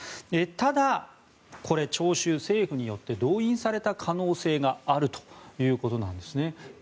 ただ、聴衆は政府によって動員された可能性があるということです。